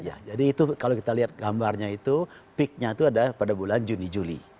ya jadi itu kalau kita lihat gambarnya itu peaknya itu ada pada bulan juni juli